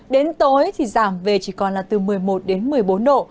đến tối thì giảm về chỉ còn là từ một mươi một đến một mươi bốn độ